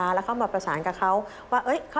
จ้างร้านค้าออนไลน์ตั้งแต่ประธาชนสามารถที่จะเลือกสินค้า